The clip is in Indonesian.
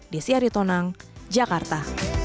desy ari tonang jakarta